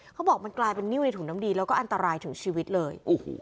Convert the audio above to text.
เขาบอกมันกลายเป็นนิ้วในถุงน้ำดีแล้วก็อันตรายถึงชีวิตเลย